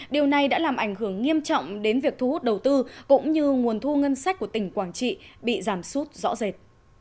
điều này đã làm ảnh hưởng nghiêm trọng đến việc thu hút đầu tư cũng như nguồn thu ngân sách của tỉnh quảng trị bị giảm sút rõ rệt